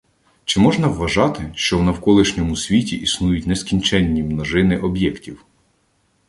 Чи можна вважати, що в навколишньому світі існують нескінченні множини об'єктів?